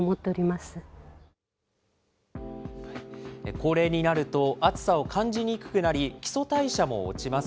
高齢になると、暑さを感じにくくなり、基礎代謝も落ちます。